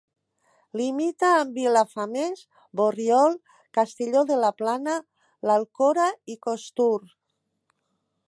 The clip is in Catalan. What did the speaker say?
Limita amb Vilafamés, Borriol, Castelló de la Plana, l'Alcora i Costur.